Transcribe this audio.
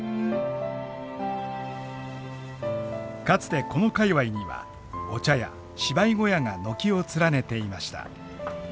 かつてこの界わいにはお茶屋芝居小屋が軒を連ねていました。